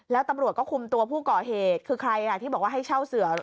แล้วตำรวจก็คุมตัวผู้ก่อเหตุคือใครล่ะที่บอกว่าให้เช่าเสือ